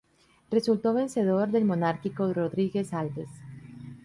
Resultó vencedor el monárquico Rodrigues Alves.